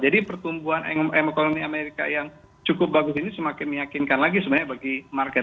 jadi pertumbuhan ekonomi amerika yang cukup bagus ini semakin meyakinkan lagi sebenarnya bagi market